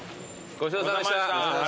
ごちそうさまでした。